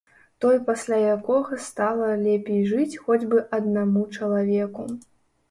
Той пасля якога стала лепей жыць хоць бы аднаму чалавеку.